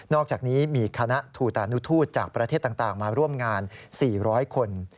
อกจากนี้มีคณะทูตานุทูตจากประเทศต่างมาร่วมงาน๔๐๐คน